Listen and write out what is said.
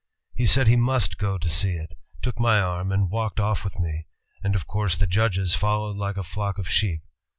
He said he must go to see it, took my arm and walked off with me, and of course the judges followed like a flock of sheep.